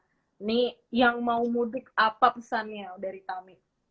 ini yang mau mudik apa pesannya dari tami